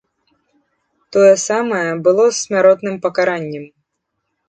Тое самае было з смяротным пакараннем.